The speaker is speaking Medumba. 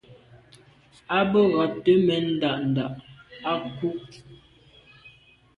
A be ghubte mèn nda’nda’ à kwù.